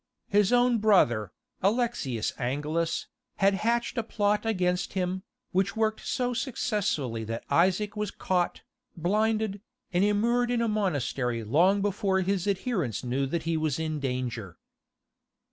His own brother, Alexius Angelus, had hatched a plot against him, which worked so successfully that Isaac was caught, blinded, and immured in a monastery long before his adherents knew that he was in danger.